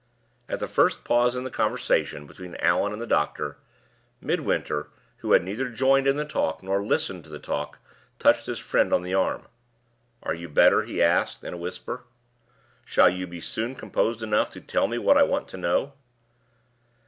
At the first pause in the conversation between Allan and the doctor, Midwinter, who had neither joined in the talk nor listened to the talk, touched his friend on the arm. "Are you better?" he asked, in a whisper. "Shall you soon be composed enough to tell me what I want to know?"